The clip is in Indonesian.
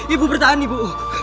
ibu bertahan ibu